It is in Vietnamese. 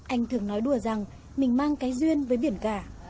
anh thường nói đùa rằng mình mang cái duyên với biển cả